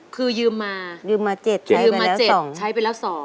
คือยืมมา๗ใช้ไปแล้ว๒